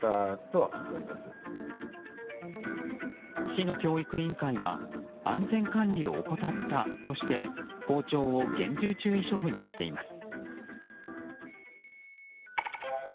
市の教育委員会は安全管理を怠ったとして校長を厳重注意処分にしています。